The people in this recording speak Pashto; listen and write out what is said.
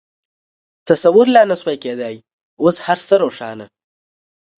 تصور لا نه شوای کېدای، اوس هر څه روښانه.